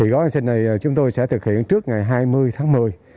gói học sinh này chúng tôi sẽ thực hiện trước ngày hai mươi tháng một mươi